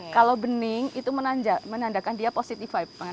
kalau bening itu menandakan dia positive vibman